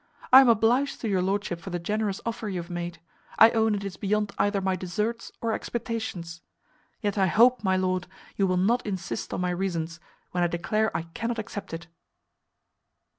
I am obliged to your lordship for the generous offer you have made; I own it is beyond either my deserts or expectations; yet I hope, my lord, you will not insist on my reasons, when I declare I cannot accept it."